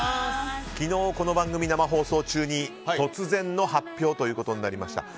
昨日、この番組生放送中に突然の発表となりました。